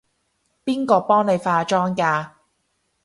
邊個幫你化妝㗎？